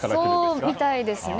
そうみたいですね。